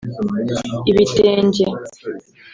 ‘Ibitenge’